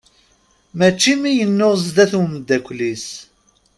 Mačči mi yennuɣ sdat n umddakel-is.